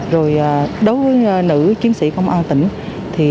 đối với nữ chiến sĩ công an tỉnh